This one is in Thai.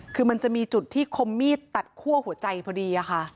คือมันจะมีจุดที่คมมีดตัดคั่วหัวใจพอดีค่ะ